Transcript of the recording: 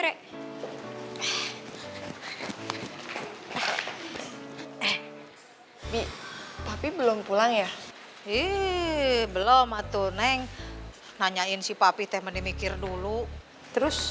tapi belum pulang ya ih belum atuh neng nanyain si papi teh menemikir dulu terus